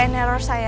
karena menurut saya